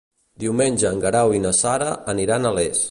Diumenge en Guerau i na Sara aniran a Les.